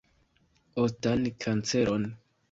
Ostan kanceron.